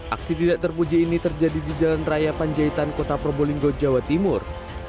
aksi tidak terpuji ini terjadi di jalan raya panjaitan kota probolinggo jawa timur